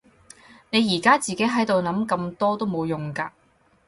你而家自己喺度諗咁多都冇用㗎